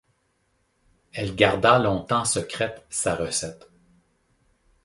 Elle garda longtemps secrète sa recette.